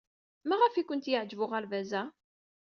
Maɣef ay ken-yeɛjeb uɣerbaz-a?